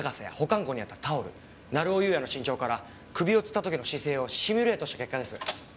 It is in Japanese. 保管庫にあったタオル成尾優也の身長から首を吊った時の姿勢をシミュレートした結果です。